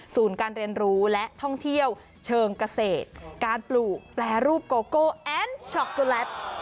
การเรียนรู้และท่องเที่ยวเชิงเกษตรการปลูกแปรรูปโกโก้แอนด์ช็อกโกแลต